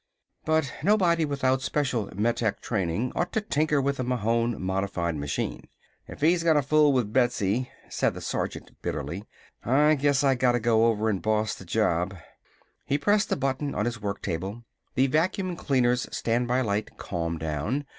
But nobody without special Metech training ought to tinker with a Mahon modified machine. "If he's gonna fool with Betsy," said the Sergeant bitterly, "I guess I gotta go over an' boss the job." He pressed a button on his work table. The vacuum cleaner's standby light calmed down.